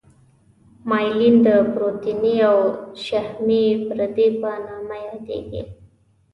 مایلین د پروتیني او شحمي پردې په نامه یادیږي.